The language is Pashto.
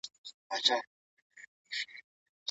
ماشوم به مهارتونه زده کړي وي.